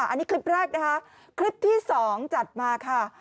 อันนี้คลิปแรกนะคะคลิปที่๒จัดมาค่ะ